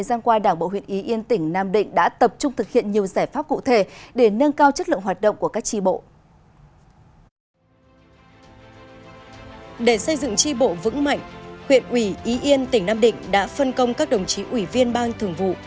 để xây dựng tri bộ vững mạnh huyện ủy ý yên tỉnh nam định đã phân công các đồng chí ủy viên ban thường vụ